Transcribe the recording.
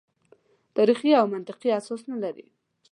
تاریخي او منطقي اساس نه لري.